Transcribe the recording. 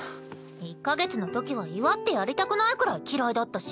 １か月のときは祝ってやりたくないくらい嫌いだったし。